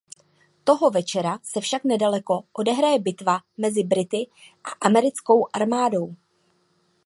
Toho večera se však nedaleko odehraje bitva mezi Brity a americkou armádou.